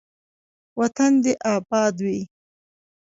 وطن دې اباد وي.